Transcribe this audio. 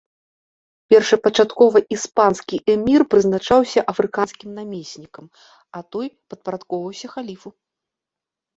Першапачаткова іспанскі эмір прызначаўся афрыканскім намеснікам, а той падпарадкоўваўся халіфу.